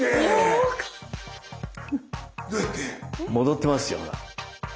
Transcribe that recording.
戻ってますよほら。